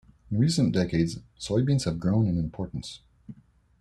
In recent decades soybeans have grown in importance.